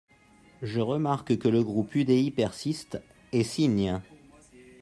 Je remarque que le groupe UDI persiste, Et signe